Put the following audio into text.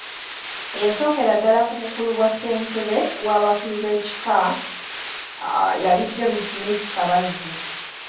Eyasookera ddala ku bukulu bwa Ssentebe w’abakulu b’ebkika yali James Miti Kabazzi.